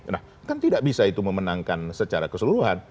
nah kan tidak bisa itu memenangkan secara keseluruhan